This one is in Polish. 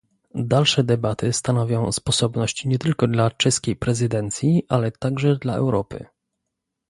Dalsze debaty stanowią sposobność nie tylko dla czeskiej prezydencji, ale także dla Europy